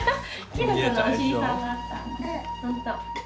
きのこのお尻さんがあったんだほんと。